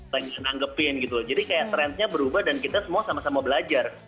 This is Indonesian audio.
yang anggapin gitu jadi kayak trendnya berubah dan kita semua sama sama belajar